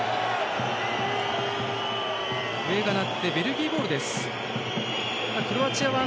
笛が鳴ってベルギーボールです。